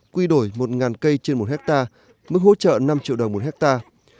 quy đổi một cây trên một hectare mức hỗ trợ năm triệu đồng một hectare